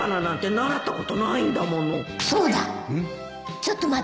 ちょっと待ってて